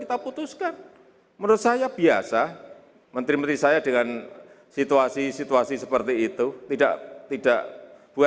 tatur kanib di hairy jadi